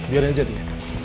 biarin aja dia